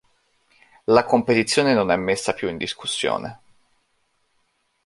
La competizione non è messa più in discussione.